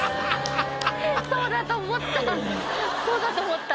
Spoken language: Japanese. そうだと思った。